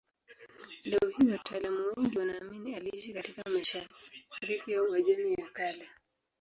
Leo hii wataalamu wengi wanaamini aliishi katika mashariki ya Uajemi ya Kale.